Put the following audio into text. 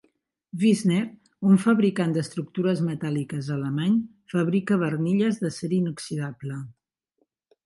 Wissner, un fabricant d'estructures metàl·liques alemany fabrica barnilles d'acer inoxidable.